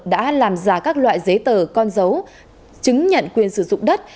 đã làm giả các loại giấy tờ con dấu chứng nhận quyền sử dụng đất